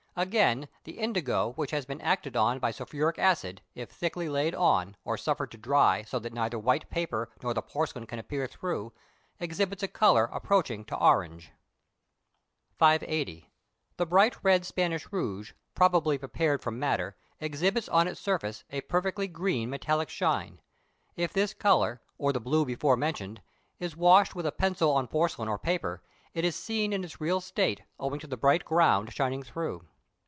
Again, the indigo which has been acted on by sulphuric acid, if thickly laid on, or suffered to dry so that neither white paper nor the porcelain can appear through, exhibits a colour approaching to orange. 580. The bright red Spanish rouge, probably prepared from madder, exhibits on its surface a perfectly green, metallic shine. If this colour, or the blue before mentioned, is washed with a pencil on porcelain or paper, it is seen in its real state owing to the bright ground shining through.